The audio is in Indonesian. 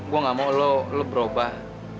gue gak mau lo lo berubah